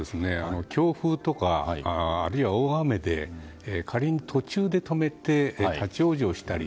強風とか、あるいは大雨で仮に途中で止めて立ち往生したり。